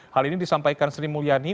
hal ini disampaikan sri mulyani